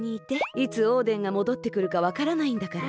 いつオーデンがもどってくるかわからないんだから。